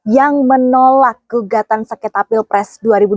yang menolak kegiatan sekitabil pres dua ribu dua puluh empat